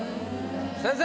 先生！